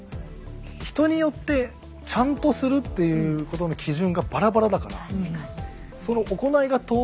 人によってちゃんとするっていうことの基準がバラバラだから。